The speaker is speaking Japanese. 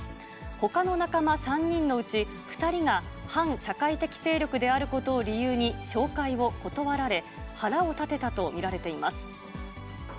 ほかの仲間３人のうち２人が反社会的勢力であることを理由に紹介を断られ、腹を立てたと見られています。